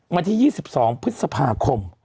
วันที่๒๒พฤษภาคม